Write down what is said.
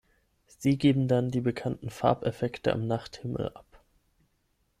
Sie geben dann die bekannten Farbeffekte am Nachthimmel ab.